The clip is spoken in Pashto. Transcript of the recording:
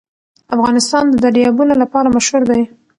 افغانستان د دریابونه لپاره مشهور دی.